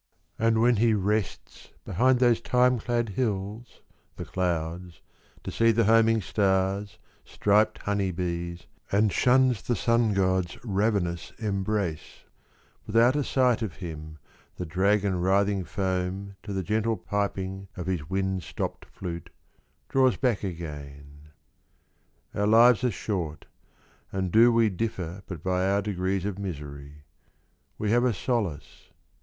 And when he rests behind those thyme clad hills, the clouds, To see the homing stars, striped honey bees, And shuns the sun god's ravenous embrace, — Without a sight of him, the dragon writhing foam To the gentle piping of his wind stopped flute Draws back again. — Our lives are short, And do we differ but by our degrees of misery. We have a solace.